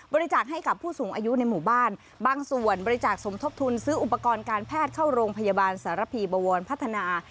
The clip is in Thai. ให้กับผู้สูงอายุในหมู่บ้านบางส่วนบริจาคสมทบทุนซื้ออุปกรณ์การแพทย์เข้าโรงพยาบาลสารพีบวรพัฒนา